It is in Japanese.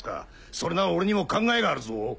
それなら俺にも考えがあるぞ。